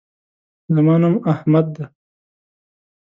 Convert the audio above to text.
زما نوم احمد دے